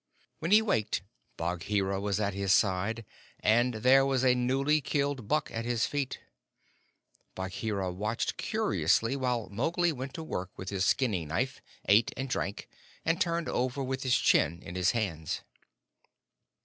When he waked, Bagheera was at his side, and there was a newly killed buck at his feet. Bagheera watched curiously while Mowgli went to work with his skinning knife, ate and drank, and turned over with his chin in his hands.